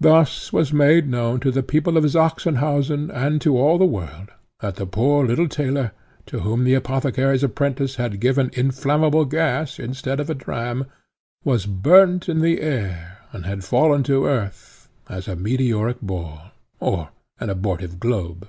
Thus was made known to the people of Sachsenhausen and to all the world, that the poor little tailor, to whom the apothecary's apprentice had given inflammable gas instead of a dram, was burnt in the air, and had fallen to earth, as a meteoric ball, or an abortive globe.